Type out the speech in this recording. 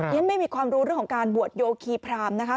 ฉันไม่มีความรู้เรื่องของการบวชโยคีพรามนะคะ